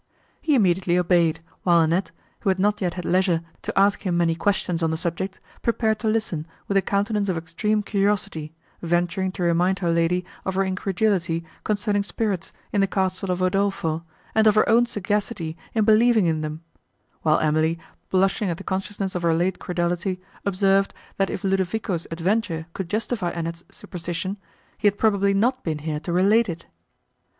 He immediately obeyed, while Annette, who had not yet had leisure to ask him many questions, on the subject, prepared to listen, with a countenance of extreme curiosity, venturing to remind her lady of her incredulity, concerning spirits, in the castle of Udolpho, and of her own sagacity in believing in them; while Emily, blushing at the consciousness of her late credulity, observed, that, if Ludovico's adventure could justify Annette's superstition, he had probably not been here to relate it.